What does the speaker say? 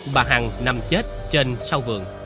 bà hằng nằm chết trên sau vườn